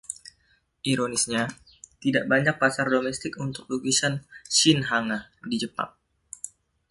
Ironisnya, tidak banyak pasar domestik untuk lukisan "shin-hanga" di Jepang.